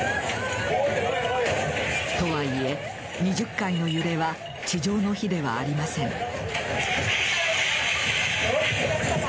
とはいえ、２０階の揺れは地上の比ではありません。